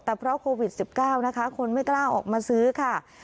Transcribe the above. แต่เพราะโควิด๑๙นะคะคนไม่กล้าออกมาซื้อค่ะ